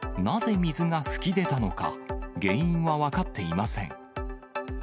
なぜ水が噴き出たのか、原因は分かっていません。